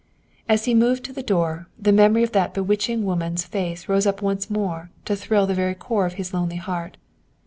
As he moved to the door, the memory of that bewitching woman's face rose up once more to thrill the very core of his lonely heart.